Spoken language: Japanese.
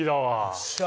よっしゃ！